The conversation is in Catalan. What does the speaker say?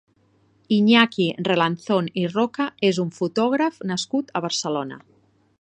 Iñaki Relanzón i Roca és un fotògraf nascut a Barcelona.